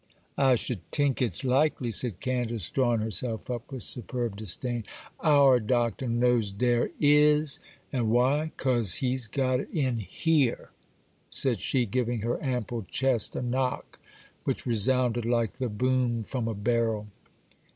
'I should tink it's likely!' said Candace, drawing herself up with superb disdain. 'Our Doctor knows dere is,—and why? 'cause he's got it IN HERE,' said she, giving her ample chest a knock which resounded like the boom from a barrel.